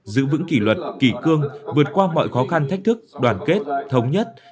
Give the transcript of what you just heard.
giữ vững kỷ luật kỳ cương vượt qua mọi khó khăn thách thức đoàn kết thống nhất